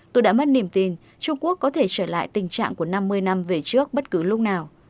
tôi đã mất niềm tin trung quốc có thể trở lại tình trạng của năm mươi năm về trước bất cứ lúc nào